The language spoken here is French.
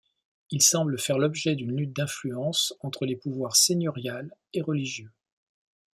Il semble faire l'objet d'une lutte d'influence entre les pouvoirs seigneurial et religieux.